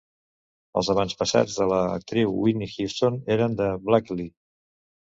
Els avantpassats de l'actriu Whitney Houston eren de Blakely.